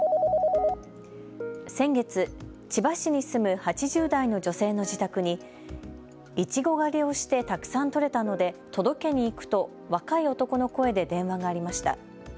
先月、千葉市に住む８０代の女性の自宅にイチゴ狩りをしてたくさん取れたので届けに行くと若い男の声で電話がありました。